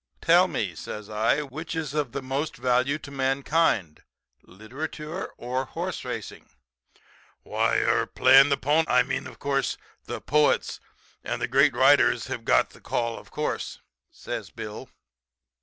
Tell me,' says I, 'which is of the most value to mankind, literature or horse racing?' "'Why er , playing the po I mean, of course, the poets and the great writers have got the call, of course,' says Bill.